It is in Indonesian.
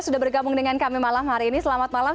sudah bergabung dengan kami malam hari ini selamat malam